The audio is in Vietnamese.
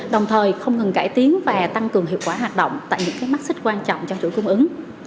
đồng thời không ngừng cải tiến và tăng cường hiệu quả hoạt động tại những mắt xích quan trọng trong chuỗi cung ứng